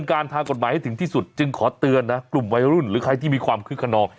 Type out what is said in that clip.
การทางกฎหมายให้ถึงที่สุดจึงขอเตือนนะกลุ่มวัยรุ่นหรือใครที่มีความคึกขนอง